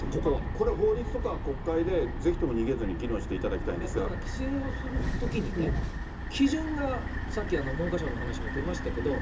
ここは法律とか国会でぜひとも逃げずに議論していただきたい規制をするときに、基準が、さっき文科省の話も出ましたけども。